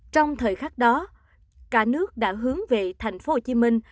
trong thời khắc đó cả nước đã hướng về thành phố hồ chí minh